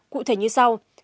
cụ thể như sau